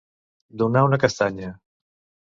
Donar una castanya.